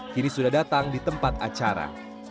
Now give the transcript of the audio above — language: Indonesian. kini sudah datang di tempat acara